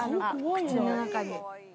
口の中に。